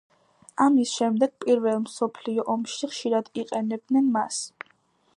ამის შემდეგ, პირველ მსოფლიო ომში ხშირად იყენებდნენ მას.